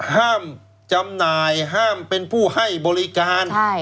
ห้ามจำหน่ายห้ามเป็นผู้ให้บริการ